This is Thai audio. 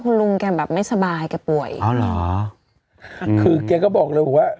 คุณลุงแกแบบไม่สบายแกป่วยอ๋อเหรอคือแกก็บอกเลยว่า